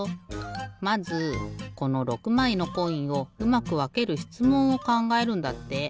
まずこの６まいのコインをうまくわけるしつもんをかんがえるんだって。